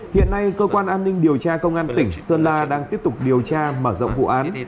hiện nay cơ quan an ninh điều tra công an tỉnh sơn la đang tiếp tục điều tra mở rộng vụ án